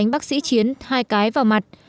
thầy bác sĩ chiến đánh bác sĩ chiến hai cái vào mặt